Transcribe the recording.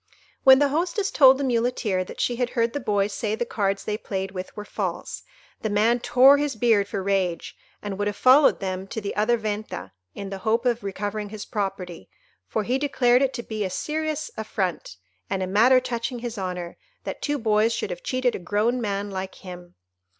When the hostess told the Muleteer that she had heard the boys say the cards they played with were false, the man tore his beard for rage, and would have followed them to the other Venta, in the hope of recovering his property; for he declared it to be a serious affront, and a matter touching his honour, that two boys should have cheated a grown man like him.